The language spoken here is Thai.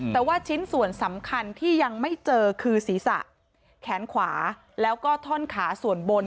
แต่ว่าชิ้นส่วนสำคัญที่ยังไม่เจอคือศีรษะแขนขวาแล้วก็ท่อนขาส่วนบน